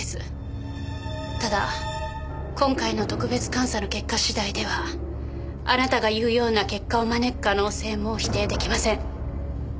ただ今回の特別監査の結果次第ではあなたが言うような結果を招く可能性も否定出来ません。